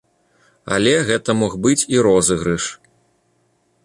Але гэта мог быць і розыгрыш.